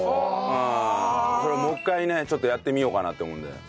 これもう一回ねちょっとやってみようかなって思うんだよ。